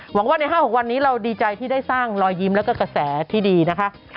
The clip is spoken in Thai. หวังว่าใน๕๖วันนี้เราดีใจที่ได้สร้างรอยยิ้มแล้วก็กระแสที่ดีนะคะ